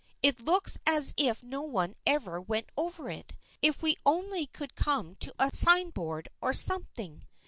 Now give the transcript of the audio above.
It looks as if no one ever went over it. If we only could come to a sign board or something